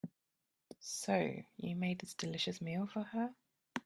So, you made this delicious meal for her?